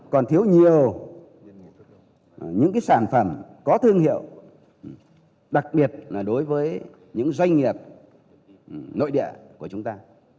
còn thiếu nhiều những sản phẩm có thương hiệu đặc biệt là đối với những doanh nghiệp nội địa của chúng ta